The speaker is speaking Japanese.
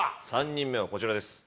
３人目はこちらです。